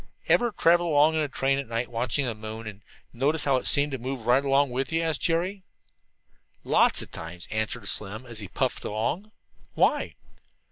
"Ever travel along in a train at night watching the moon, and notice how it seemed to move right along with you?" asked Jerry. "Lots of times," answered Slim, as he puffed along, "Why?"